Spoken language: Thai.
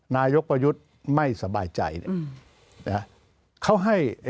นายกประยุทธ์ไม่สบายใจ